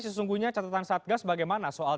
sesungguhnya catatan satgas bagaimana soal